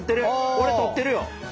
俺摂ってるよ！